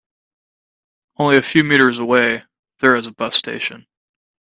Only a few meters away there is a bus station.